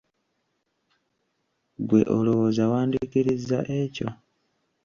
Ggwe olowooza wandikkirizza ekyo?